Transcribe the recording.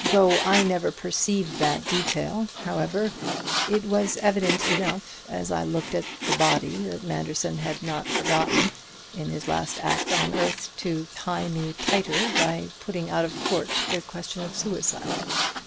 "Though I never perceived that detail, however, it was evident enough as I looked at the body that Manderson had not forgotten, in his last act on earth, to tie me tighter by putting out of court the question of suicide.